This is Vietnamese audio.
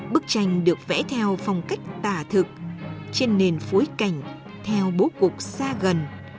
bức tranh được vẽ theo phong cách tả thực trên nền phối cảnh theo bố cục xa gần